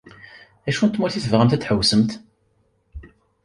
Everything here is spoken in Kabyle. Acu n tmurt i tebɣamt ad d-tḥewṣemt?